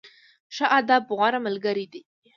ښه ادب، غوره ملګری دی.